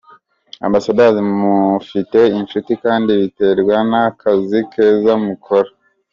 Ambassadors mufite inshuti kandi biterwa n’akazi keza mukora.